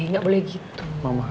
gak boleh gitu